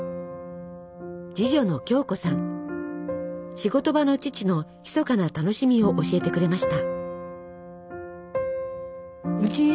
仕事場の父の秘かな楽しみを教えてくれました。